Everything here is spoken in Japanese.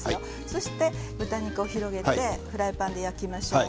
そして豚肉を広げてフライパンで焼きましょう。